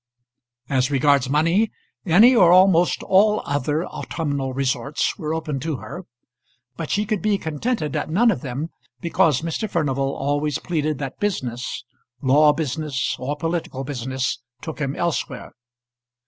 As regards money, any or almost all other autumnal resorts were open to her, but she could be contented at none of them because Mr. Furnival always pleaded that business law business or political business took him elsewhere.